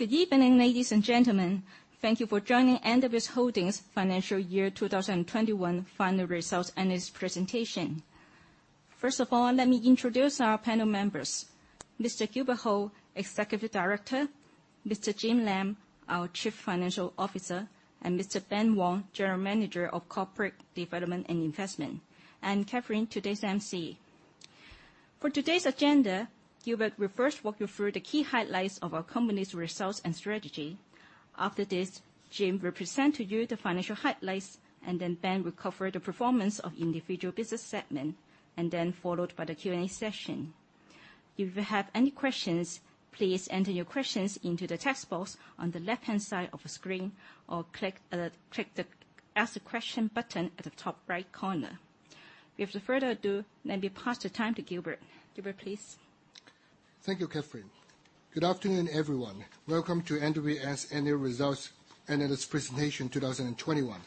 Good evening, ladies and gentlemen. Thank you for joining NWS Holdings Financial Year 2021 Final Results Analysts Presentation. First of all, let me introduce our panel members, Mr. Gilbert Ho, Executive Director, Mr. Jim Lam, our Chief Financial Officer, and Mr. Ben Wong, General Manager of Corporate Development and Investment, and Catherine, today's emcee. For today's agenda, Gilbert will first walk you through the key highlights of our company's results and strategy. After this, Jim will present to you the financial highlights, and then Ben will cover the performance of individual business segment, and then followed by the Q&A session. If you have any questions, please enter your questions into the text box on the left-hand side of the screen, or click the Ask a Question button at the top right corner. Without further ado, let me pass the time to Gilbert. Gilbert, please. Thank you, Catherine. Good afternoon, everyone. Welcome to NWS Annual Results Analysts Presentation 2021.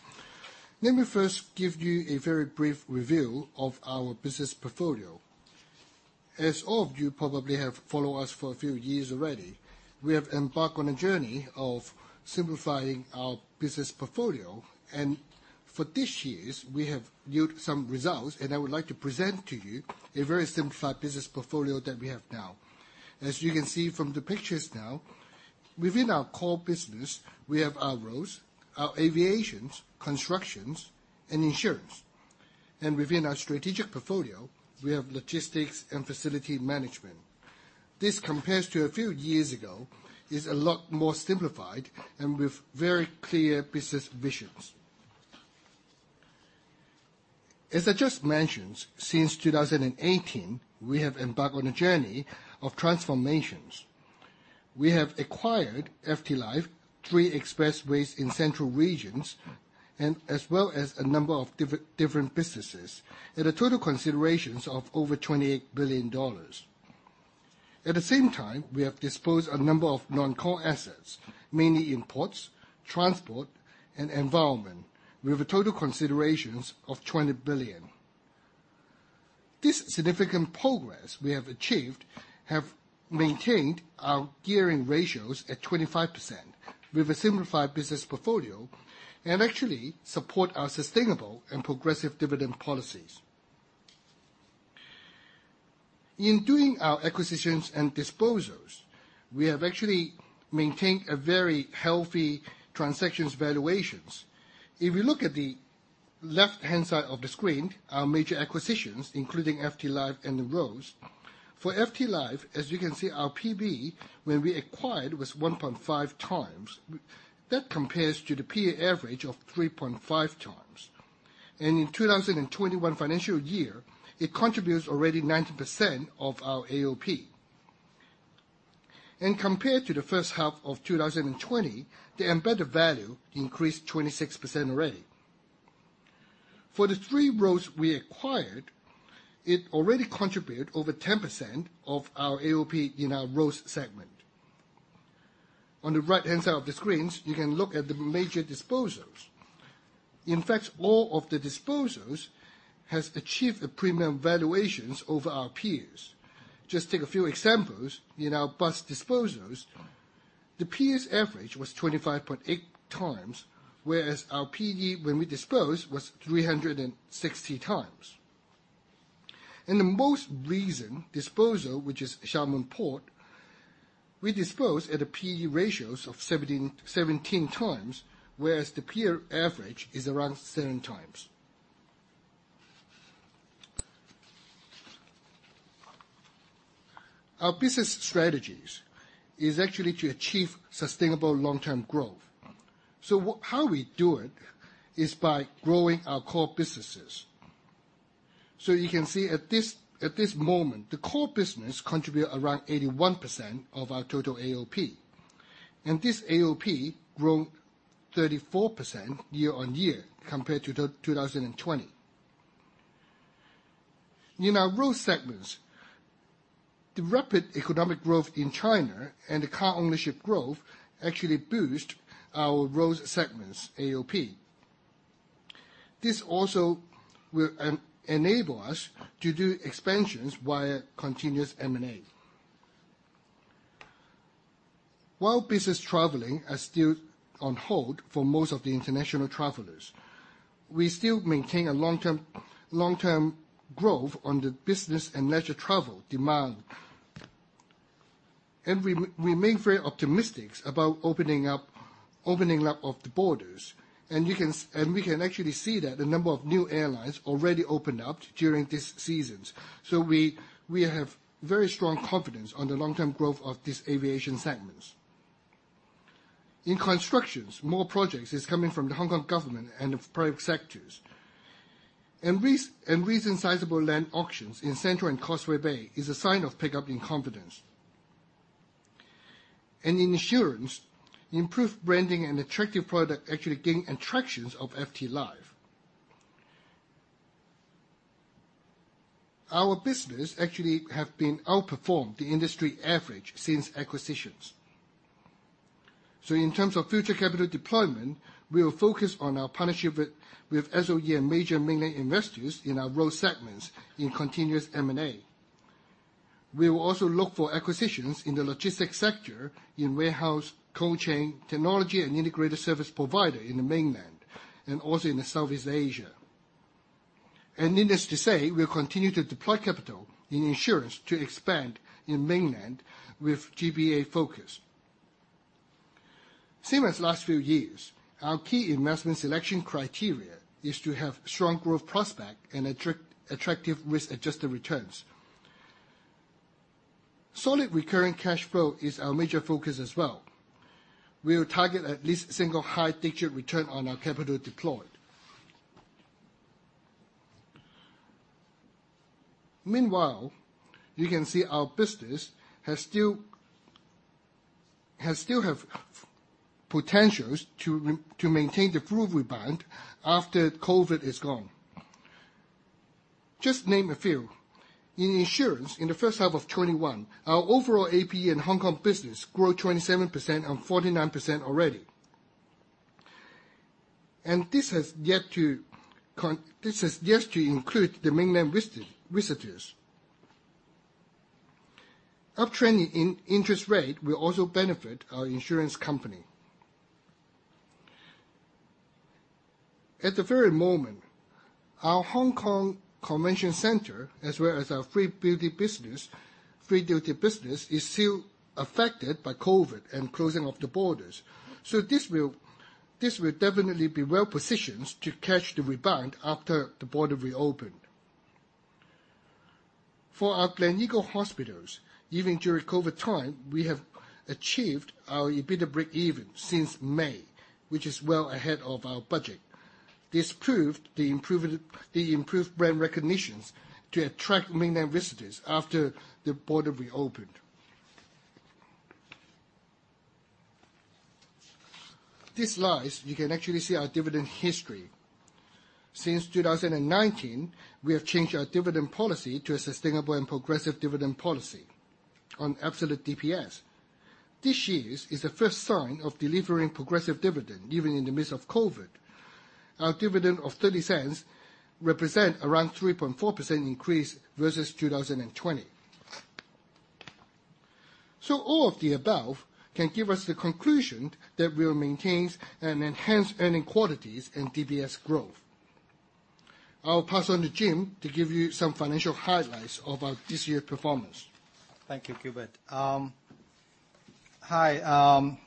Let me first give you a very brief review of our business portfolio. As all of you probably have followed us for a few years already, we have embarked on a journey of simplifying our business portfolio. For this year, we have yield some results, and I would like to present to you a very simplified business portfolio that we have now. As you can see from the pictures now, within our core business, we have our roads, our aviations, constructions, and insurance. Within our strategic portfolio, we have logistics and facility management. This, compared to a few years ago, is a lot more simplified and with very clear business visions. As I just mentioned, since 2018, we have embarked on a journey of transformations. We have acquired FTLife, three expressways in central regions, and as well as a number of different businesses at a total considerations of over 28 billion dollars. At the same time, we have disposed a number of non-core assets, mainly in ports, transport, and environment, with a total considerations of 20 billion. This significant progress we have achieved have maintained our gearing ratios at 25% with a simplified business portfolio, actually support our sustainable and progressive dividend policies. In doing our acquisitions and disposals, we have actually maintained a very healthy transactions valuations. If you look at the left-hand side of the screen, our major acquisitions, including FTLife and the roads. For FTLife, as you can see, our P/B when we acquired was 1.5x. That compares to the peer average of 3.5x. In 2021 financial year, it contributes already 19% of our AOP. Compared to the first half of 2020, the embedded value increased 26% already. For the three roads we acquired, it already contribute over 10% of our AOP in our roads segment. On the right-hand side of the screens, you can look at the major disposals. In fact, all of the disposals has achieved a premium valuations over our peers. Just take a few examples. In our bus disposals, the peers average was 25.8x, whereas our P/E when we disposed was 360x. In the most recent disposal, which is Xiamen Port, we dispose at a P/E ratios of 17x, whereas the peer average is around seven times. Our business strategies is actually to achieve sustainable long-term growth. How we do it is by growing our core businesses. You can see at this moment, the core business contribute around 81% of our total AOP, and this AOP grown 34% year-on-year compared to 2020. In our road segments, the rapid economic growth in China and the car ownership growth actually boost our Roads segments AOP. This also will enable us to do expansions via continuous M&A. While business traveling are still on hold for most of the international travelers, we still maintain a long-term growth on the business and leisure travel demand. We remain very optimistic about opening up of the borders. We can actually see that the number of new airlines already opened up during these seasons. We have very strong confidence on the long-term growth of this aviation segment. In constructions, more projects is coming from the Hong Kong government and the private sectors. Recent sizable land auctions in Central and Causeway Bay is a sign of pickup in confidence. In insurance, improved branding and attractive product actually gain attractions of FTLife. Our business actually have been outperformed the industry average since acquisitions. In terms of future capital deployment, we will focus on our partnership with SOE and major Mainland investors in our road segments in continuous M&A. We will also look for acquisitions in the logistics sector, in warehouse, cold chain, technology, and integrated service provider in the Mainland and also in the Southeast Asia. Needless to say, we'll continue to deploy capital in insurance to expand in Mainland with GBA focus. Same as last few years, our key investment selection criteria is to have strong growth prospect and attractive risk-adjusted returns. Solid recurring cash flow is our major focus as well. We will target at least single-high-digit return on our capital deployed. Meanwhile, you can see our business has still have potentials to maintain the full rebound after COVID is gone. Just name a few. In insurance, in the first half of 2021, our overall AP and Hong Kong business grew 27% and 49% already. This has yet to include the Mainland visitors. Uptrend in interest rate will also benefit our insurance company. At the very moment, our Hong Kong Convention and Exhibition Centre, as well as our Free Duty business, is still affected by COVID and closing of the borders. This will definitely be well positioned to catch the rebound after the border reopen. For our Gleneagles Hospitals, even during COVID time, we have achieved our EBITDA breakeven since May, which is well ahead of our budget. This proved the improved brand recognitions to attract Mainland visitors after the border reopened. These slides, you can actually see our dividend history. Since 2019, we have changed our dividend policy to a sustainable and progressive dividend policy on absolute DPS. This year is the first sign of delivering progressive dividend, even in the midst of COVID. Our dividend of 0.30 represent around 3.4% increase versus 2020. All of the above can give us the conclusion that we'll maintain and enhance earning qualities and DPS growth. I'll pass on to Jim to give you some financial highlights of our this year performance. Thank you Gilbert hi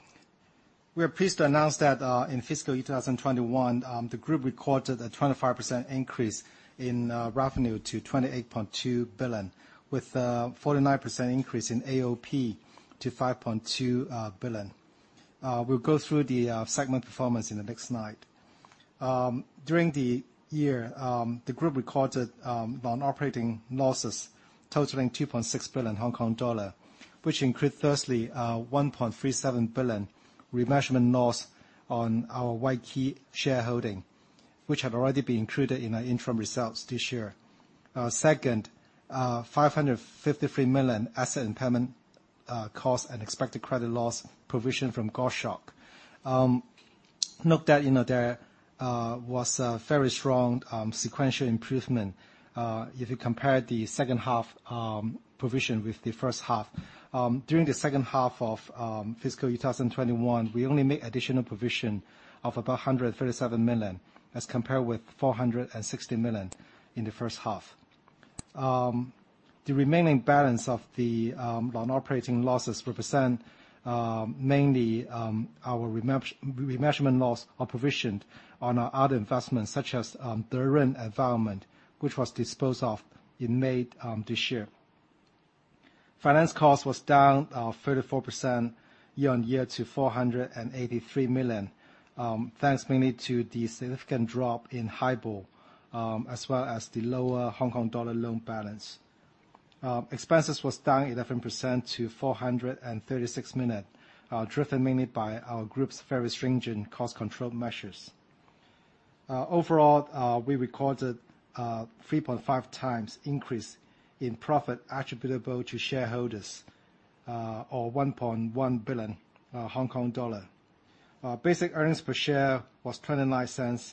We are pleased to announce that, in fiscal year 2021, the group recorded a 25% increase in revenue to 28.2 billion, with a 49% increase in AOP to 5.2 billion. We'll go through the segment performance in the next slide. During the year, the group recorded non-operating losses totaling HKD 2.6 billion, which include, firstly, HKD 1.37 billion remeasurement loss on our Wai Kee shareholding, which had already been included in our interim results this year. Second, 553 million asset impairment cost and expected credit loss provision from Goshawk. Note that there was a very strong sequential improvement if you compare the second half provision with the first half. During the second half of fiscal year 2021, we only made additional provision of about 137 million as compared with 460 million in the first half. The remaining balance of the non-operating losses represent mainly our remeasurement loss or provision on our other investments such as Derun Environment, which was disposed of in May this year. Finance cost was down 34% year on year to 483 million, thanks mainly to the significant drop in HIBOR as well as the lower Hong Kong dollar loan balance. Expenses was down 11% to 436 million, driven mainly by our group's very stringent cost control measures. Overall, we recorded a 3.5x increase in profit attributable to shareholders of 1.1 billion Hong Kong dollar. Basic earnings per share was 0.29.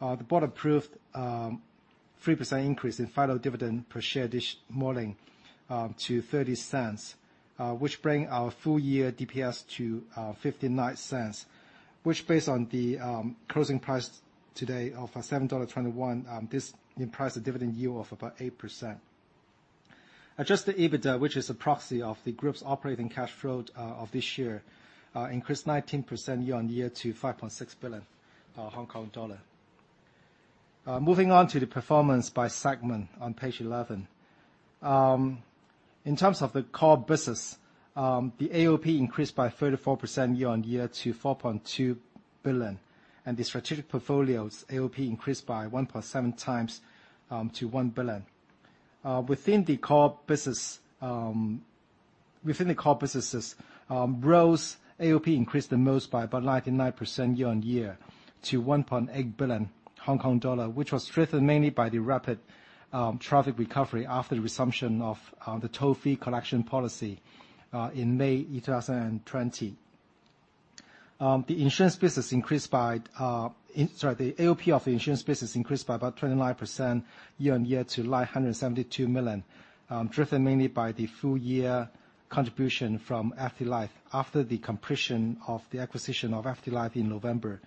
The board approved a 3% increase in final dividend per share this morning to 0.30, which bring our full year DPS to 0.59, which based on the closing price today of 7.21 dollar, this implies a dividend yield of about 8%. Adjusted EBITDA, which is a proxy of the group's operating cash flow of this year, increased 19% year-on-year to 5.6 billion Hong Kong dollar. Moving on to the performance by segment on page 11. In terms of the core business, the AOP increased by 34% year-on-year to 4.2 billion, and the strategic portfolio's AOP increased by 1.7x to 1 billion. Within the core businesses, Roads AOP increased the most by about 99% year-on-year to 1.8 billion Hong Kong dollar, which was driven mainly by the rapid traffic recovery after the resumption of the toll-fee collection policy in May 2020. The AOP of the insurance business increased by about 29% year-on-year to 172 million, driven mainly by the full year contribution from FTLife, after the completion of the acquisition of FTLife in November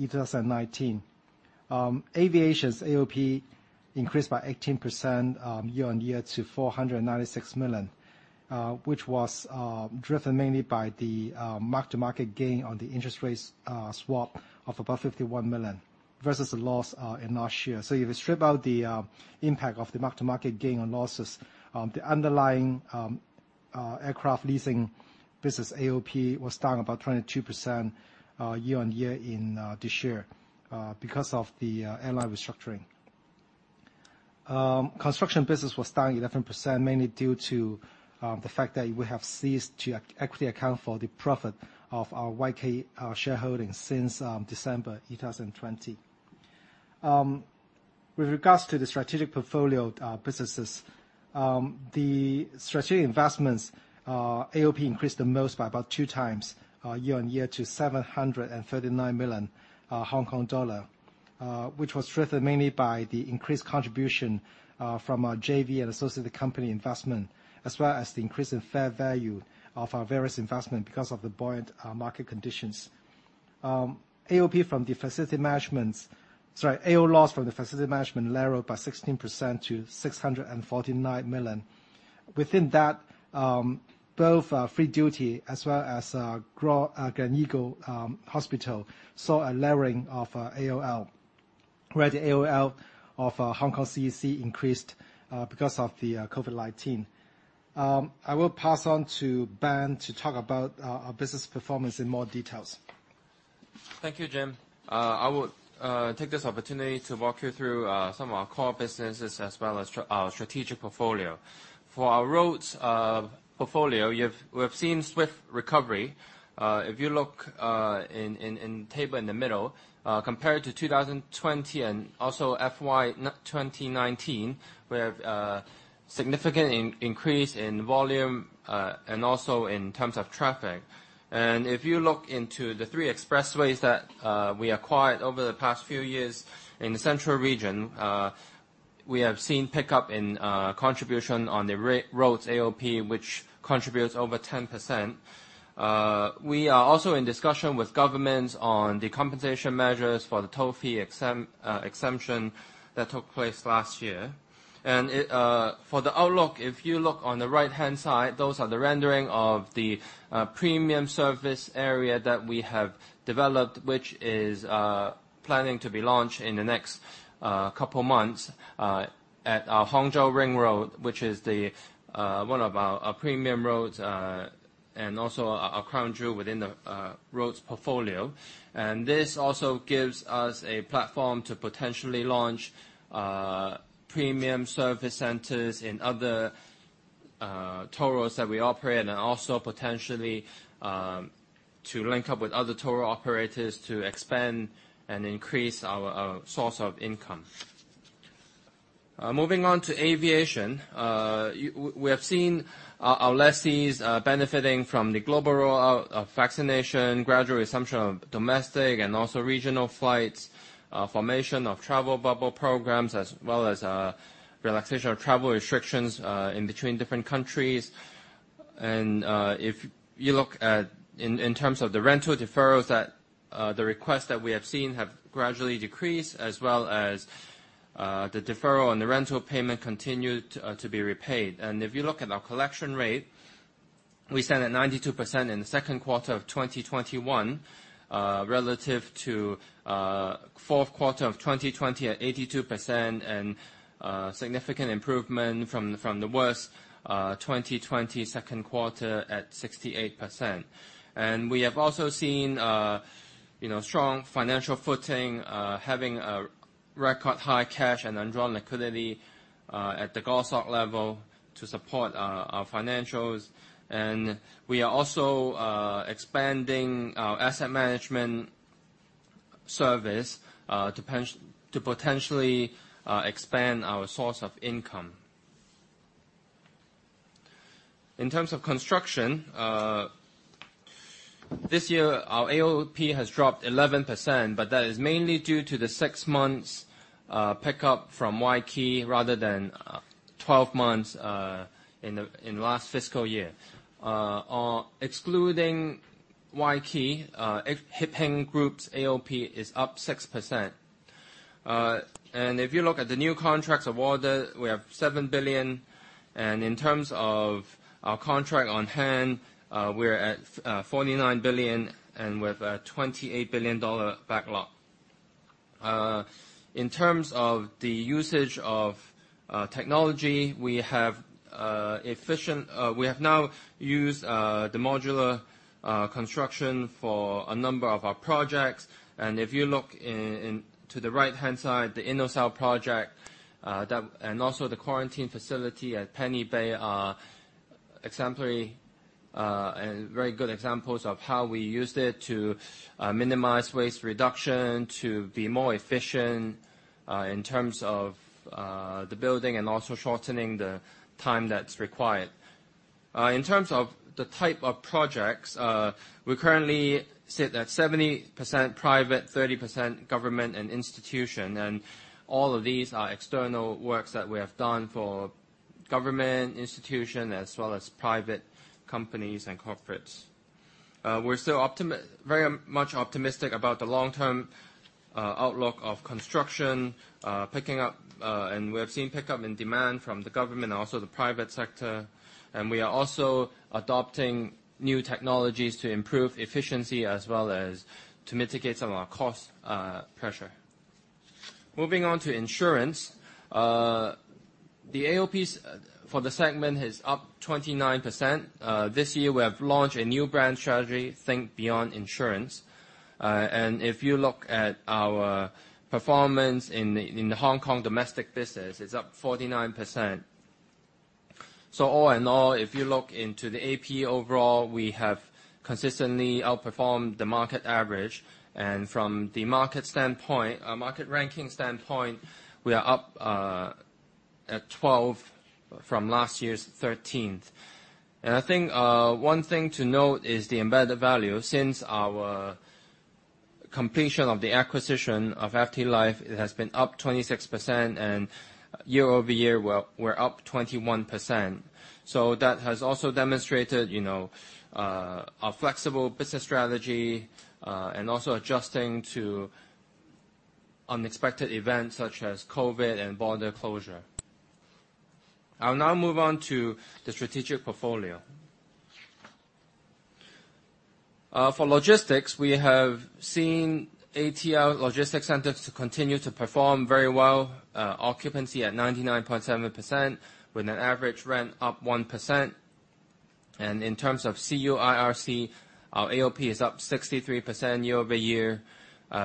2019. Aviation's AOP increased by 18% year-on-year to HK$496 million, which was driven mainly by the mark-to-market gain on the interest rates swap of about HK$51 million, versus a loss in last year. If you strip out the impact of the mark-to-market gain on losses, the underlying aircraft leasing business AOP was down about 22% year-on-year in this year because of the airline restructuring. Construction business was down 11%, mainly due to the fact that we have ceased to equity account for the profit of our Wai Kee shareholdings since December 2020. With regards to the strategic portfolio businesses, the strategic investments AOP increased the most by about 2x year-on-year to HK$739 million, which was driven mainly by the increased contribution from our JV and associated company investment, as well as the increase in fair value of our various investment because of the buoyant market conditions. AOL loss from the facility management narrowed by 16% to HK$649 million. Within that, both Free Duty as well as Gleneagles Hospital, saw a lowering of AOL, where the AOL of Hong Kong CEC increased because of the COVID-19. I will pass on to Ben to talk about our business performance in more details. Thank you, Jim. I will take this opportunity to walk you through some of our core businesses as well as our strategic portfolio. For our roads portfolio, we have seen swift recovery. If you look in Table in the middle, compared to 2020 and also FY 2019, we have a significant increase in volume, and also in terms of traffic. If you look into the three expressways that we acquired over the past few years in the central region, we have seen pickup in contribution on the roads AOP, which contributes over 10%. We are also in discussion with governments on the compensation measures for the toll fee exemption that took place last year. For the outlook, if you look on the right-hand side, those are the rendering of the premium service area that we have developed, which is planning to be launched in the next couple months at our Hangzhou Ring Road, which is one of our premium roads and also our crown jewel within the roads portfolio. This also gives us a platform to potentially launch premium service centers in other toll roads that we operate, and also potentially to link up with other toll operators to expand and increase our source of income. Moving on to aviation. We have seen our lessees benefiting from the global rollout of vaccination, gradual resumption of domestic and also regional flights, formation of travel bubble programs, as well as relaxation of travel restrictions in between different countries. If you look at in terms of the rental deferrals, the requests that we have seen have gradually decreased as well as the deferral on the rental payment continued to be repaid. If you look at our collection rate, we stand at 92% in the second quarter of 2021, relative to fourth quarter of 2020 at 82%, and significant improvement from the worst 2020 second quarter at 68%. We have also seen strong financial footing, having a record high cash and undrawn liquidity at the group level to support our financials. We are also expanding our asset management service to potentially expand our source of income. In terms of construction, this year our AOP has dropped 11%, but that is mainly due to the six months pickup from Wai Kee rather than 12 months in last fiscal year. Excluding Wai Kee, Hip Hing Group's AOP is up 6%. If you look at the new contracts awarded, we have 7 billion, in terms of our contract on hand, we're at 49 billion and with a 28 billion dollar backlog. In terms of the usage of technology, we have now used the modular construction for a number of our projects. If you look to the right-hand side, the InnoCell project and also the quarantine facility at Penny's Bay are very good examples of how we used it to minimize waste reduction, to be more efficient in terms of the building, and also shortening the time that's required. In terms of the type of projects, we currently sit at 70% private, 30% government and institution. All of these are external works that we have done for government, institution, as well as private companies and corporates. We're still very much optimistic about the long-term outlook of construction picking up. We have seen pickup in demand from the government and also the private sector. We are also adopting new technologies to improve efficiency as well as to mitigate some of our cost pressure. Moving on to insurance. The AOPs for the segment is up 29%. This year, we have launched a new brand strategy, "Think Beyond Insurance". If you look at our performance in the Hong Kong domestic business, it's up 49%. All in all, if you look into the AP overall, we have consistently outperformed the market average. From the market standpoint, our market ranking standpoint, we are up at 12 from last year's 13th. I think, one thing to note is the embedded value. Since our completion of the acquisition of FTLife, it has been up 26%, and year-over-year, we're up 21%. That has also demonstrated our flexible business strategy, and also adjusting to unexpected events such as COVID and border closure. I'll now move on to the strategic portfolio. For logistics, we have seen ATL Logistics Centre to continue to perform very well. Occupancy at 99.7% with an average rent up 1%. In terms of CUIRC, our AOP is up 63% year-over-year,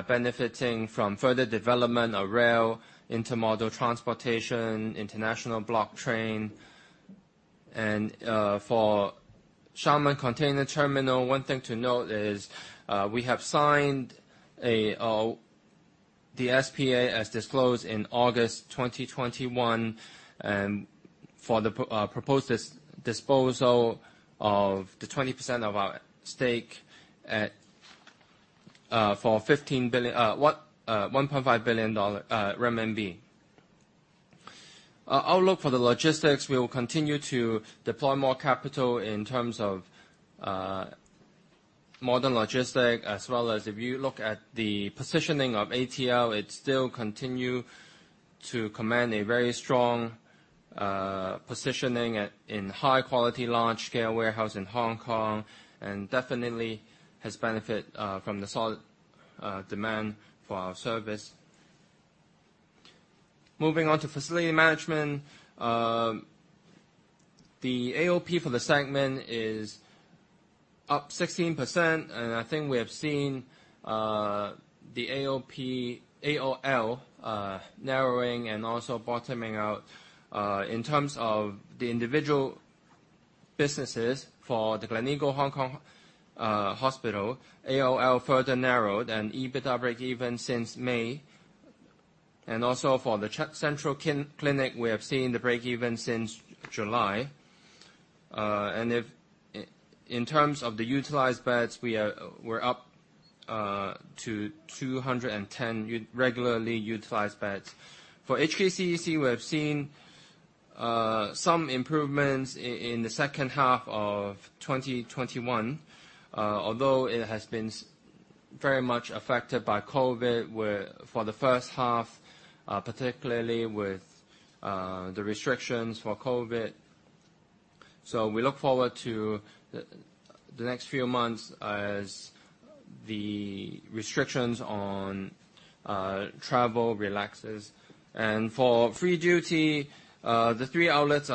benefiting from further development of rail, intermodal transportation, international block train. For Xiamen Container Terminal, one thing to note is, we have signed the SPA, as disclosed in August 2021, for the proposed disposal of the 20% of our stake for RMB 1.5 billion. Outlook for the logistics, we will continue to deploy more capital in terms of modern logistics as well as if you look at the positioning of ATL, it still continue to command a very strong positioning in high quality, large scale warehouse in Hong Kong, and definitely has benefit from the solid demand for our service. Moving on to facility management. The AOP for the segment is up 16%, and I think we have seen the AOL narrowing and also bottoming out. In terms of the individual businesses for the Gleneagles Hong Kong Hospital, AOL further narrowed and EBITDA break-even since May. Also for the Central Clinic, we have seen the break-even since July. In terms of the utilized beds, we're up to 210 regularly utilized beds. For HKCEC, we have seen some improvements in the second half of 2021. Although it has been very much affected by COVID, for the first half, particularly with the restrictions for COVID, we look forward to the next few months as the restrictions on travel relaxes. For Free Duty, the three outlets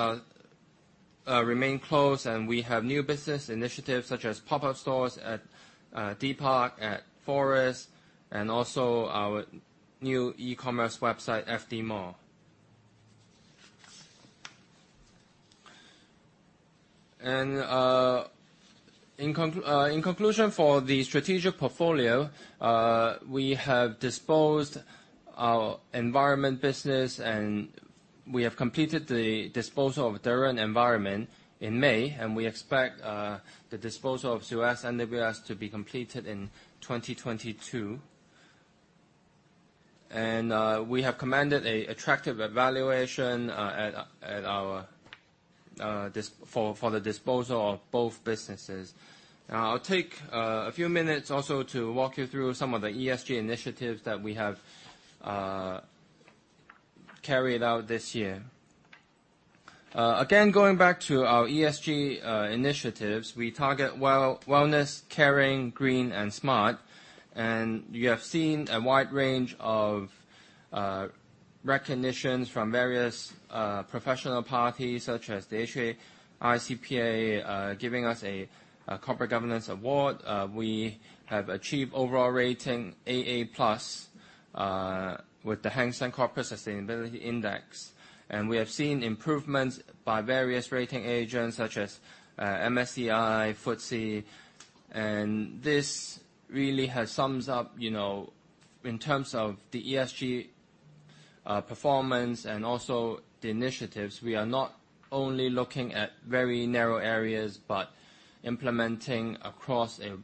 remain closed, and we have new business initiatives such as pop-up stores at D·PARK, at The Forest, and also our new e-commerce website, FD Mall. In conclusion for the strategic portfolio, we have disposed our environment business and we have completed the disposal of Derent Environment in May, and we expect the disposal of SUEZ NWS to be completed in 2022. We have commanded a attractive evaluation for the disposal of both businesses. I'll take a few minutes also to walk you through some of the ESG initiatives that we have carried out this year. Again, going back to our ESG initiatives, we target wellness, caring, green, and smart. You have seen a wide range of recognitions from various professional parties such as the ICPA, giving us a Corporate Governance Award. We have achieved overall rating AA+ with the Hang Seng Corporate Sustainability Index. We have seen improvements by various rating agents such as MSCI, FTSE. This really sums up, in terms of the ESG performance and also the initiatives, we are not only looking at very narrow areas, but implementing across a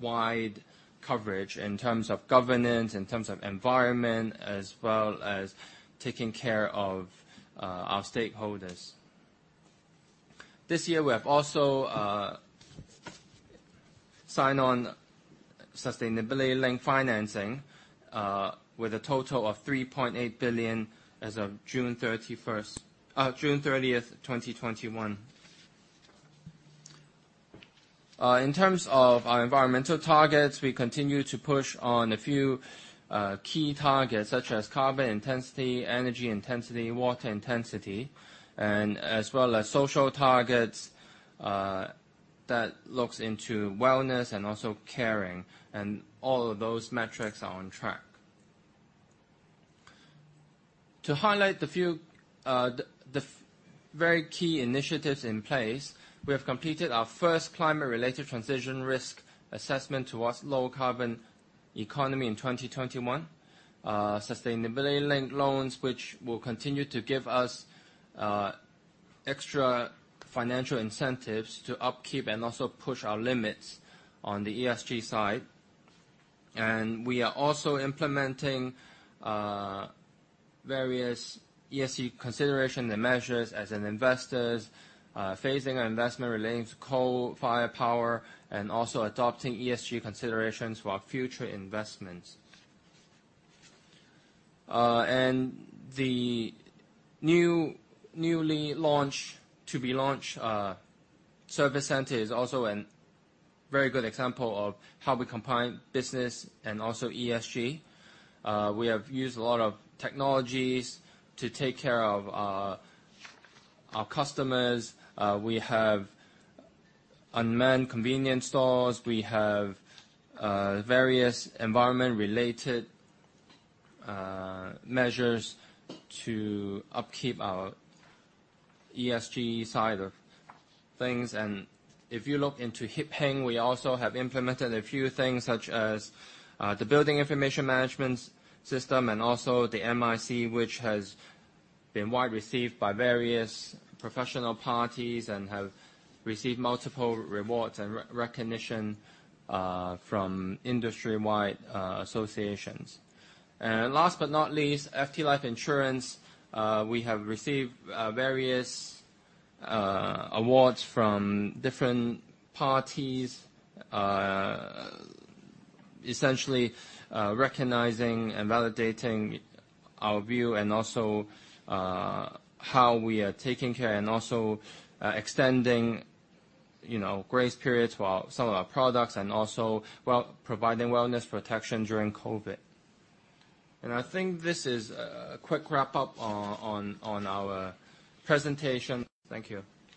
wide coverage in terms of governance, in terms of environment, as well as taking care of our stakeholders. This year, we have also signed on sustainability-linked financing with a total of 3.8 billion as of June 30th, 2021. In terms of our environmental targets, we continue to push on a few key targets, such as carbon intensity, energy intensity, water intensity, and as well as social targets that looks into wellness and also caring. All of those metrics are on track. To highlight the very key initiatives in place, we have completed our first climate-related transition risk assessment towards low carbon economy in 2021. Sustainability-linked loans, which will continue to give us extra financial incentives to upkeep and also push our limits on the ESG side. We are also implementing various ESG consideration and measures as an investors, phasing our investment relating to coal-fire power, and also adopting ESG considerations for our future investments. The newly to be launched service center is also an very good example of how we combine business and also ESG. We have used a lot of technologies to take care of our customers. We have unmanned convenience stores. We have various environment-related measures to upkeep our ESG side of things. If you look into Hip Hing, we also have implemented a few things, such as the Building Information Modelling system and also the MiC, which has been wide received by various professional parties and have received multiple rewards and recognition from industry-wide associations. Last but not least, FTLife Insurance. We have received various awards from different parties, essentially recognizing and validating our view and also how we are taking care and also extending grace periods for some of our products and also providing wellness protection during COVID. I think this is a quick wrap-up on our presentation. Thank you.